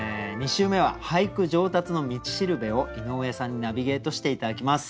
２週目は俳句上達の道しるべを井上さんにナビゲートして頂きます。